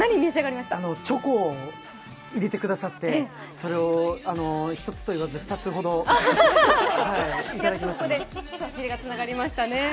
チョコを入れてくださって、それを１つと言わず２ついただきました。